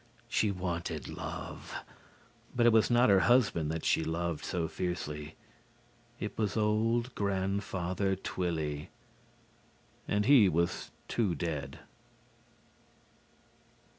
She wanted love. But it was not her husband that she loved so fiercely. It was old Grandfather Twilly. And he was too dead.